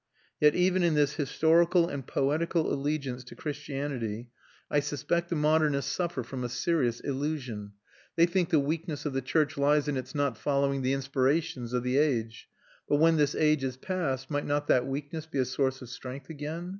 Yet even in this historical and poetical allegiance to Christianity I suspect the modernists suffer from a serious illusion. They think the weakness of the church lies in its not following the inspirations of the age. But when this age is past, might not that weakness be a source of strength again?